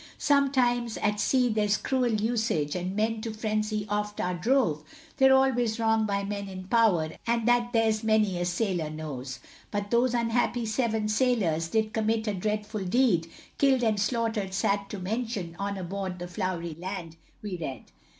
Sometimes at sea there's cruel usage, And men to frenzy oft are drove, They're always wrong by men in power, And that there's many a sailor knows. But those unhappy seven sailors, Did commit a dreadful deed, Killed and slaughter'd, sad to mention, On board the Flowery Land, we read.